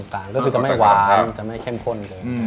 ก็คือจะไม่หวานจะไม่เข้มข้น